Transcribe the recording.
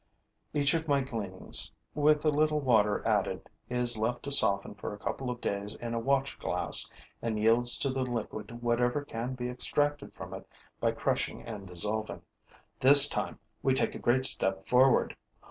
Each of my gleanings, with a little water added, is left to soften for a couple of days in a watch glass and yields to the liquid whatever can be extracted from it by crushing and dissolving. This time, we take a great step forward.